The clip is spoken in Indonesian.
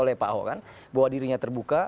oleh pak ahok kan bahwa dirinya terbuka